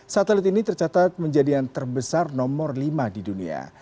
satelit ini tercatat menjadi yang terbesar nomor lima di dunia